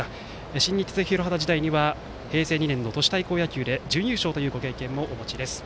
新日鉄広畑時代には平成２年の都市対抗野球で準優勝というご経験もお持ちです。